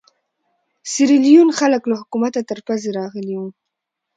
سیریلیون خلک له حکومته تر پزې راغلي وو.